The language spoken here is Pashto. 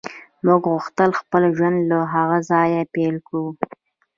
موږ غوښتل خپل ژوند له هغه ځایه پیل کړو